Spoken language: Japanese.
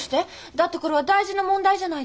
だってこれは大事な問題じゃないですか。